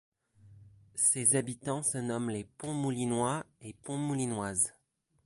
Ses habitants se nomment les Pont-les-Moulinois et Pont-les-Moulinoises.